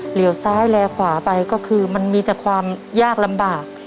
เหลียวซ้ายแลขวาไปก็คือมันมีแต่ความยากลำบาก